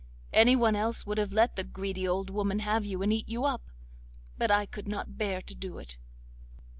Anyone else would have let the greedy old woman have you, and eat you up, but I could not bear to do it.